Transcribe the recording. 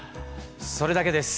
それだけです。